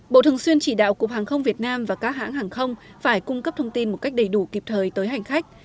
bộ thường xuyên chỉ đạo cục hàng không việt nam và các hãng hàng không phải cung cấp thông tin một cách đầy đủ kịp thời tới hành khách